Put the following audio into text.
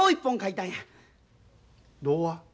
童話？